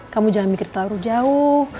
kamu jangan mikir terlalu jauh